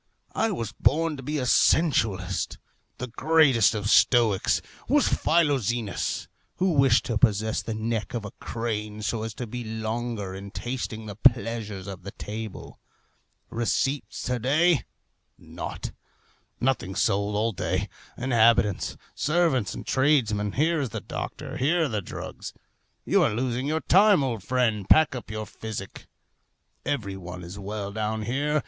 I was born to be a sensualist. The greatest of stoics was Philoxenus, who wished to possess the neck of a crane, so as to be longer in tasting the pleasures of the table. Receipts to day, naught. Nothing sold all day. Inhabitants, servants, and tradesmen, here is the doctor, here are the drugs. You are losing your time, old friend. Pack up your physic. Every one is well down here.